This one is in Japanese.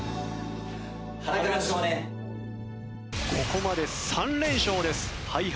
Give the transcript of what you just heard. ここまで３連勝です。